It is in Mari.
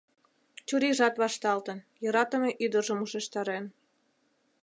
Чурийжат вашталтын, йӧратыме ӱдыржым ушештарен.